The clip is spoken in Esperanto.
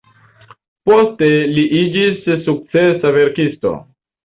Poste li iĝis sukcesa verkisto.